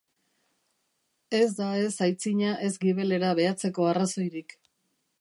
Ez da ez aitzina ez gibelera behatzeko arrazoirik.